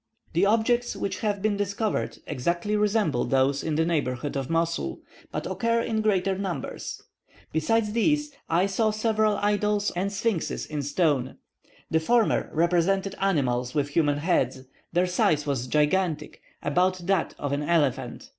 The objects which have been discovered exactly resemble those in the neighbourhood of Mosul, but occur in greater numbers. Besides these, I saw several idols and sphynxes in stone. The former represented animals with human heads; their size was gigantic about that of an elephant.